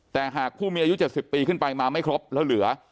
แต่หากผู้มีอายุ๗๐ปีขึ้นไปมาไม่ครบแล้วเหลือ